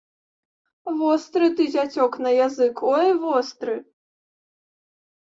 Востры ты, зяцёк, на язык, ой востры!